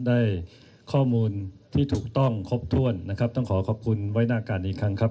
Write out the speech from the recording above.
ได้ข้อมูลที่ถูกต้องครบถ้วนนะครับต้องขอขอบคุณไว้หน้าการอีกครั้งครับ